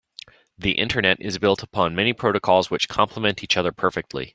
The internet is built upon many protocols which compliment each other perfectly.